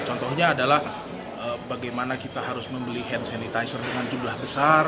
contohnya adalah bagaimana kita harus membeli hand sanitizer dengan jumlah besar